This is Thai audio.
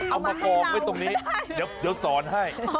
เอามากองไว้ตรงนี้เดี๋ยวสอนให้